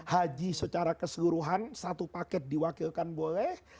haji secara keseluruhan satu paket diwakilkan boleh